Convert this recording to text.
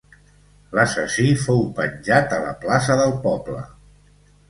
L'assassí fou penjat a la plaça del poble.